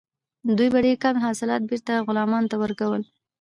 دوی به ډیر کم حاصلات بیرته غلامانو ته ورکول.